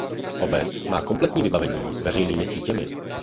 Obec má kompletní vybavení veřejnými sítěmi.